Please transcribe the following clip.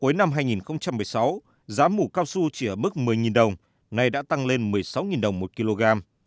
cuối năm hai nghìn một mươi sáu giá mủ cao su chỉ ở mức một mươi đồng nay đã tăng lên một mươi sáu đồng một kg